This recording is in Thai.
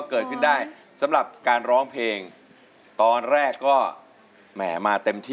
คือคำหนึ่งที่มันหมุนไม่ถึง